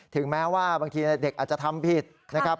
ถึงแม้ว่าบางทีเด็กอาจจะทำผิดนะครับ